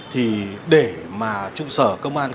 thì để mà trụ sở công an